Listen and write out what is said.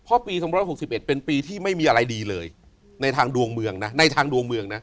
เพราะปี๒๖๑เป็นปีที่ไม่มีอะไรดีเลยในทางดวงเมือง